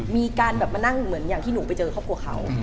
มานั่งเหมือนอย่างที่หนูไปเจอครอบครัวเขา